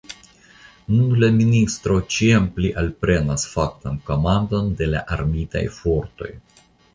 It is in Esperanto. Nun la ministro ĉiam pli alprenas faktan komandon de la armitaj fortoj.